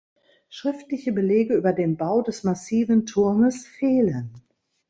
Schriftliche Belege über den Bau des massiven Turmes fehlen.